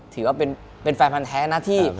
ถือว่าเป็นแฟนพันธ์แท้นะที่